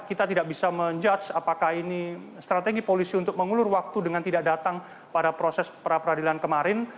kita tidak bisa menjudge apakah ini strategi polisi untuk mengulur waktu dengan tidak datang pada proses pra peradilan kemarin